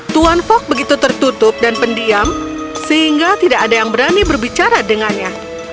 tuan fog begitu tertutup dan pendiam sehingga tidak ada yang berani berbicara dengannya